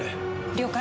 了解。